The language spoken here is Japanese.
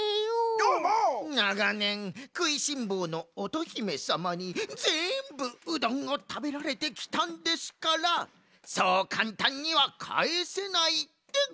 ながねんくいしんぼうの乙姫さまにぜんぶうどんをたべられてきたんですからそうかんたんにはかえせないでございます。